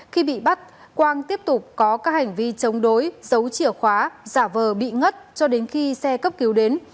khi bị bắt quang tiếp tục có các hành vi chống đối giấu chìa khóa giả vờ bị ngất cho đến khi xe cấp cứu đến